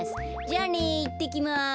じゃあねいってきます。